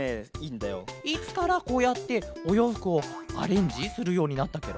いつからこうやっておようふくをアレンジするようになったケロ？